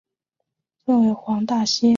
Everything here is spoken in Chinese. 分为黄大仙下邨为租者置其屋计划屋邨。